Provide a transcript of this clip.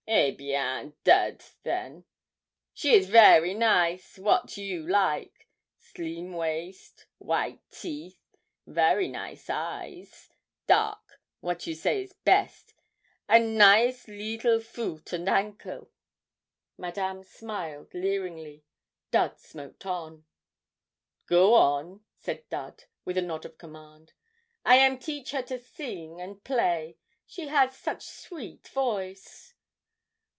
'Eh bien! Dud, then. She is vary nice wat you like. Slim waist, wite teeth, vary nice eyes dark wat you say is best and nice leetle foot and ankle.' Madame smiled leeringly. Dud smoked on. 'Go on,' said Dud, with a nod of command. 'I am teach her to sing and play she has such sweet voice!